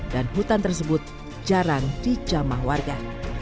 dan hutan tersebut jarang dijamah warga